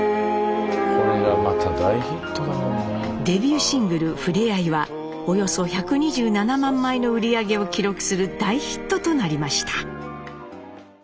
デビューシングル「ふれあい」はおよそ１２７万枚の売り上げを記録する大ヒットとなりました。